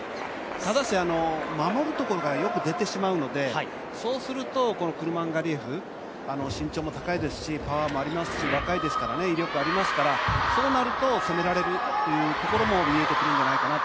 ただし守るところがよく出てしまうのでそうすると、クルマンガリエフ身長も高いですしパワーもありますし、若いですから、威力ありますからそうなると攻められるというところも見えてくるんじゃないかと。